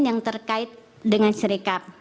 yang terkait dengan serikat